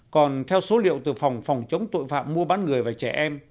còn theo số liệu từ phòng phòng chống tội phạm mua bán người và trẻ em